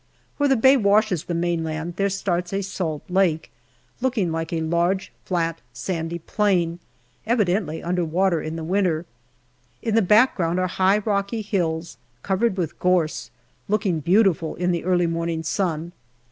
Where the bay washes the main land, there starts a salt lake, looking like a large flat, sandy plain, evidently under water in the winter. In the back ground are high rocky hills, covered with gorse, looking beautiful in the early morning sun.